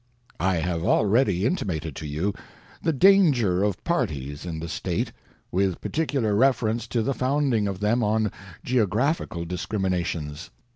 IS WASHINGTON'S FAREWELL ADDRESS I have already intimated to you the danger of Parties in the State, with particular refer ence to the founding of them on Geographi cal discriminations.